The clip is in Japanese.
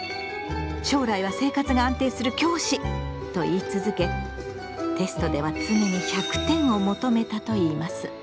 将来は生活が安定する教師」と言い続けテストでは常に１００点を求めたといいます。